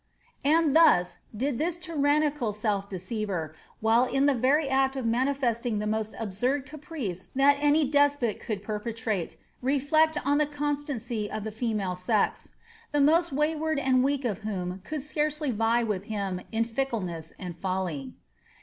And thus did this tjrannical self deceiTer, while in the very act of manifesting; the most absurd caprice that any despot could perpetiali, reflect on the constancy of the female sex ; the most wayward and weik of whom could scarcely vie with him in fickleness and folly.